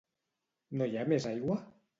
No hi ha més aigua?